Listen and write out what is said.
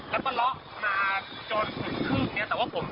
แล้วก็ล๊อคมาจนหนึ่งครึ่ง